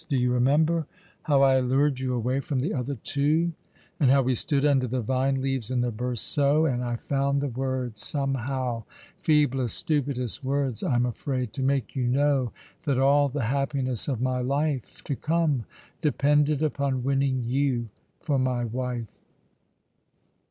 Do you remember how I lured you away from the other two, and how we stood under the vine leaves in the berceau, and I found the words somehow — feeblest, stupidest words, I'm afraid — to make you know that all the happiness of my life to come depended upon winning you for my wife